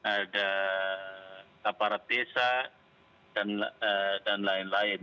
ada aparat desa dan lain lain